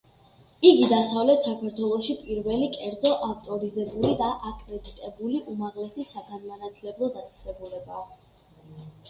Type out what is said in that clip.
იგი დასავლეთ საქართველოში პირველი კერძო ავტორიზებული და აკრედიტებული უმაღლესი საგანმანათლებლო დაწესებულებაა.